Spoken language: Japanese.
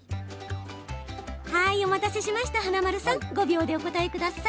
お待たせしました、華丸さん５秒でお答えください。